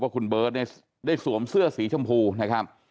พบว่าคุณเบิร์ดได้สวมเสื้อสีชมพูนะครับ